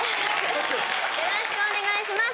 よろしくお願いします。